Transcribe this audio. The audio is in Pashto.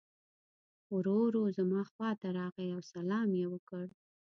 ورو ورو زما خواته راغی او سلام یې وکړ.